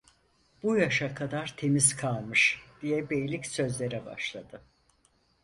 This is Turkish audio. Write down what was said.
"Bu yaşa kadar temiz kalmış…" diye beylik sözlere başladı.